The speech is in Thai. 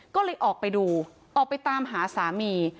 ก็เลยออกไปดูออกไปตามหาสามี